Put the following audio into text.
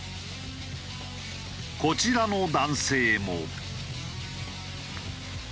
こちらの男性も。